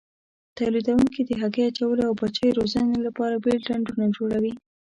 تولیدوونکي د هګۍ اچولو او بچیو روزنې لپاره بېل ډنډونه جوړوي.